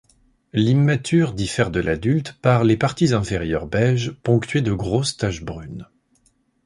L'immature diffère de l'adulte par les parties inférieures beiges ponctuées de grosses taches brunes.